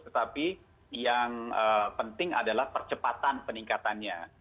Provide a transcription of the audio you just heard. tetapi yang penting adalah percepatan peningkatannya